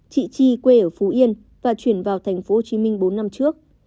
chị chi quê ở phú yên và chuyển vào thành phố hồ chí minh bốn năm trước